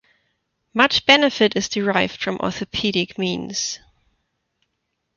Much benefit is derived from orthopedic means.